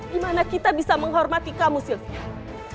di mana kita bisa menghormati kamu sylvia